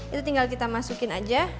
itu tinggal kita masukin aja